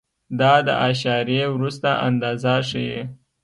دا د اعشاریې وروسته اندازه ښیي.